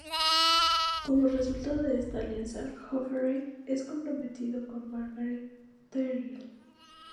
Como resultado de esta alianza, Joffrey es prometido con Margaery Tyrell.